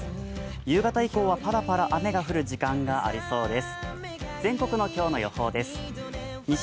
夕方以降はパラパラ雨が降る時間がありそうです。